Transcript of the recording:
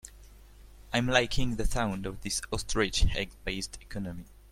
I'm liking the sound of this ostrich egg based economy.